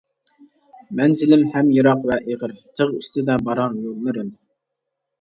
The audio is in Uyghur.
مەنزىلىم ھەم يىراق ۋە ئېغىر، تىغ ئۈستىدە بارار يوللىرىم.